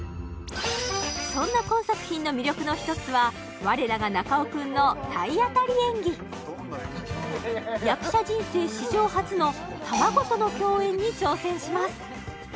そんな今作品の魅力の一つは我らが中尾君の体当たり演技役者人生史上初の卵との共演に挑戦します